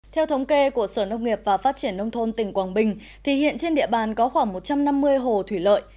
theo thống kê của sở nông nghiệp và phát triển nông thôn tỉnh quảng bình thì hiện trên địa bàn có khoảng một trăm năm mươi hồ thủy lợi